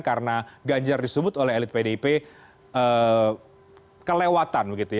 karena ganjar disebut oleh elit pdip kelewatan